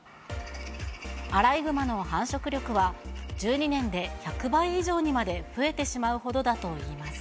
アライグマの繁殖力は、１２年で１００倍以上にまで増えてしまうほどだといいます。